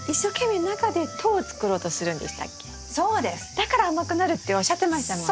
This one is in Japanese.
だから甘くなるっておっしゃってましたものね。